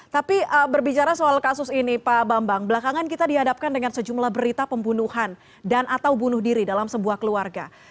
tapi berbicara soal kasus ini pak bambang belakangan kita dihadapkan dengan sejumlah berita pembunuhan dan atau bunuh diri dalam sebuah keluarga